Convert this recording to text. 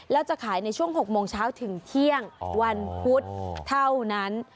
แล้วจะขายในช่วง๖โมงเช้าถึงเที่ยงวันพุธเท่านั้น